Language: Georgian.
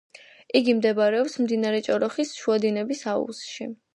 იგი მდებარეობს მდინარე ჭოროხის შუა დინების აუზში.